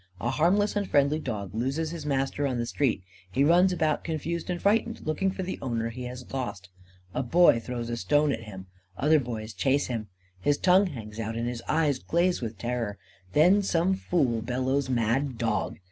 A harmless and friendly dog loses his master on the street. He runs about, confused and frightened, looking for the owner he has lost. A boy throws a stone at him. Other boys chase him. His tongue hangs out, and his eyes glaze with terror. Then some fool bellows: "Mad dog!"